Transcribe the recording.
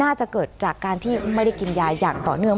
น่าจะเกิดจากการที่ไม่ได้กินยาอย่างต่อเนื่อง